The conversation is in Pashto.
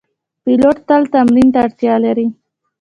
پیلوټ تل تمرین ته اړتیا لري.